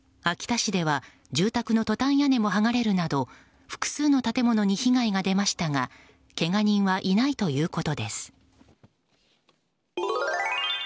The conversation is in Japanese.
秋田市では住宅のトタン屋根も剥がれるなど複数の建物に被害が出ましたがけが人はいないということです。